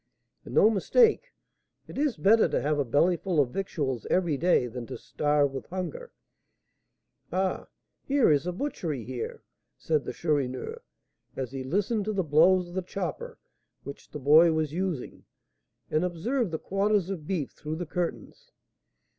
"And no mistake; it is better to have a bellyful of victuals every day than to starve with hunger. Ah! here is a butchery here," said the Chourineur, as he listened to the blows of the chopper which the boy was using, and observed the quarters of beef through the curtains.